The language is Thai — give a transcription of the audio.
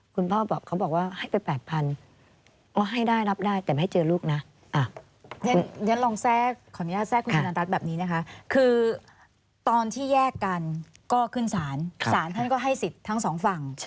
ก็ขึ้นศาลศาลท่านก็ให้สิทธิ์ทั้งสองฝั่ง